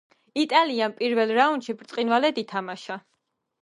იტალიამ პირველ რაუნდში ბრწყინვალედ ითამაშა.